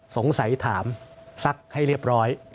สงสัยถามซักให้เรียบร้อย